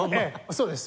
そうです。